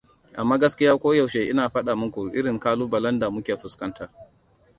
Amma gaskiya ko yaushe ina fada muku irin kalubalen da muke fuskanta.